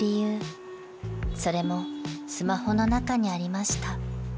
［それもスマホの中にありました］